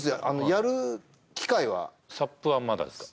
やる機会はＳＵＰはまだですか？